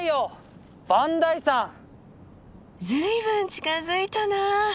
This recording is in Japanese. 随分近づいたな。